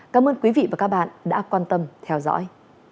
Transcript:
cảm ơn quý vị đã quan tâm theo dõi